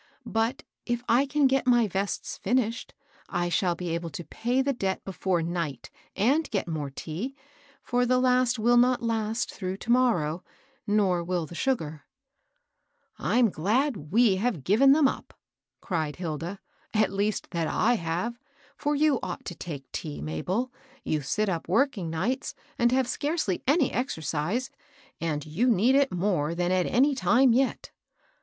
But, if I can get my vests finished, I shall be able to pay the debt be fore night, and get more tea ; for the last will not last through to morrow ; nor will the sugar." I'm glad we have given them up I " cried Hil da, " at least that J have. For you ought to take tea, Mabel ; you sit up working nights, and have scarcely any exercise, and you need it more than at any time yet."